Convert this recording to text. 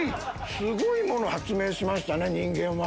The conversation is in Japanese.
すごいもの発明しましたね人間は。